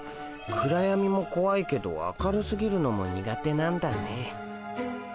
暗やみもこわいけど明るすぎるのも苦手なんだね。